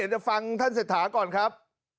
เดี๋ยวฟังท่านเศรษฐาก่อนครับ